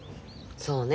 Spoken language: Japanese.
そうね。